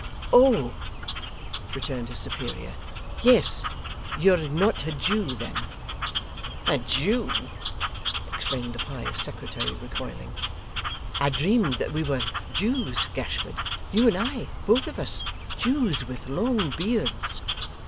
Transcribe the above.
'Oh!' returned his superior. 'Yes. You're not a Jew then?' 'A Jew!' exclaimed the pious secretary, recoiling. 'I dreamed that we were Jews, Gashford. You and I both of us Jews with long beards.